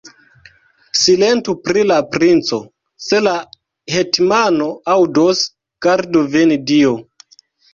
Silentu pri la princo; se la hetmano aŭdos, gardu vin Dio!